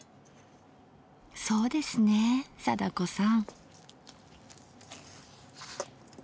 そうですねえ貞子さん。